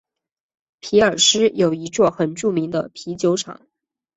皮尔斯有一座很著名的啤酒厂。